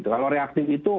kalau reaktif itu